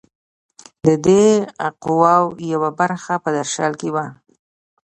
د دې قواوو یوه برخه په درشل کې وه.